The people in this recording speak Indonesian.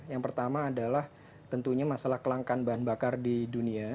yang pertama adalah tentunya masalah kelangkaan bahan bakar di dunia